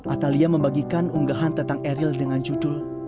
atalia membagikan unggahan tentang eril dengan judul